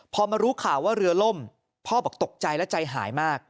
พอมารู้ข่าวว่าเรือล่มพ่อบอกตกใจและใจหายมาก